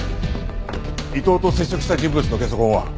伊藤と接触した人物のゲソ痕は？